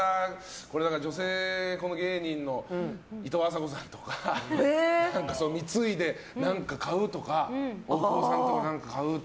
女性芸人のいとうあさこさんとか貢いで買うとか大久保さんとか。